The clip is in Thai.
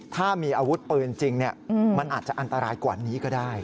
ถ้ามีอาวุธปืนจริงมันอาจจะอันตรายกว่านี้ก็ได้